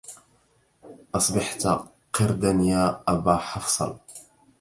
أصبحت قردا يا أبا حفصل